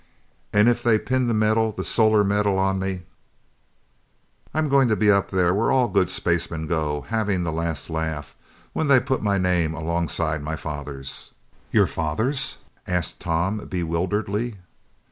And if they pin the Medal the Solar Medal on me, I'm going to be up there where all good spacemen go, having the last laugh, when they put my name alongside my father's!" "Your father's?" asked Tom bewilderedly.